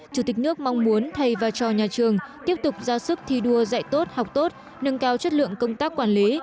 chủ tịch nước mong muốn thầy và trò nhà trường tiếp tục ra sức thi đua dạy tốt học tốt nâng cao chất lượng công tác quản lý